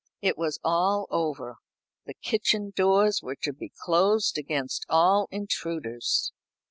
It was all over. The kitchen doors were to be closed against all intruders.